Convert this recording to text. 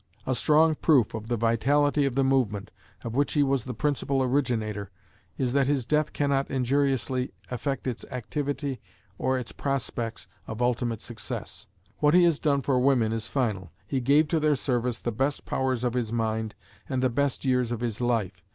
A strong proof of the vitality of the movement, of which he was the principal originator, is that his death cannot injuriously affect its activity or its prospects of ultimate success. What he has done for women is final: he gave to their service the best powers of his mind and the best years of his life.